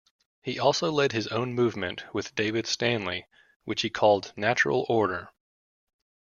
He also led his own movement with David Stanley which he called "Natural Order".